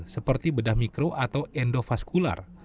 seperti bedah mikro atau endovaskular